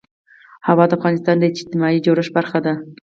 هوا د افغانستان د اجتماعي جوړښت برخه ده.